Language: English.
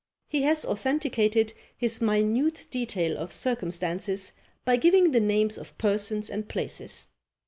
He has authenticated his minute detail of circumstances by giving the names of persons and places.